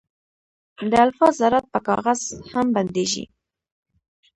د الفا ذرات په کاغذ هم بندېږي.